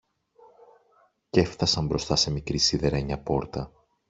κι έφθασαν μπροστά σε μικρή σιδερένια πόρτα.